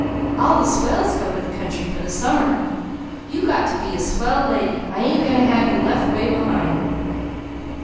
All the swells go away to the country for the summer, you got to be a swell lady! I ain't going to have you left way behind!"